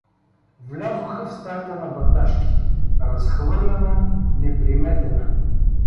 Влязоха в стаята на Баташки — разхвърляна, неприметена.